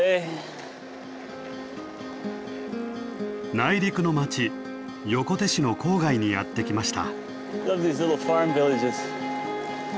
内陸の町横手市の郊外にやって来ました。